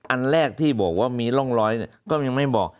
อันแรกที่บอกว่ามีร่องรอยก็ยังไม่บอก